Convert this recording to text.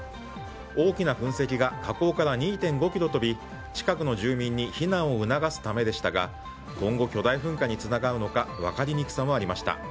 大きな噴石が火口から２．５ｋｍ飛び近くの住民に避難を促すためでしたが今後、巨大噴火につながるのか分かりにくさもありました。